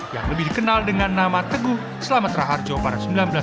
yang lebih dikenal dengan nama teguh selamatera harjo pada seribu sembilan ratus lima puluh